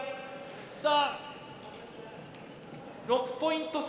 さぁ６ポイント差！